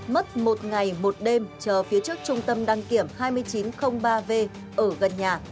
mất một ngày một đêm chờ phía trước trung tâm đăng kiểm hai nghìn chín trăm linh ba v ở gần nhà